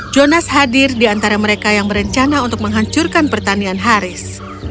jonas hadir di antara mereka yang berencana untuk menghancurkan pertanian haris